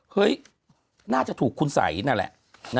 เฮ้ยน่าจะถูกคุณสัยนั่นแหละ